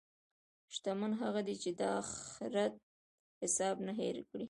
شتمن هغه دی چې د اخرت حساب نه هېر کړي.